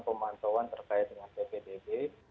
pemantauan terkait dengan ppdb